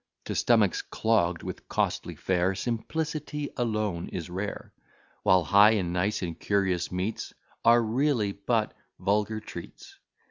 To stomachs clogg'd with costly fare Simplicity alone is rare; While high, and nice, and curious meats Are really but vulgar treats.